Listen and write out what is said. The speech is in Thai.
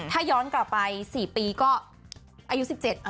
ถ้าย้อนกลับไป๔ปีก็อายุ๑๗